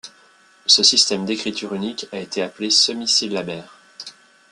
Ce système d'écriture unique a été appelé semi-syllabaire.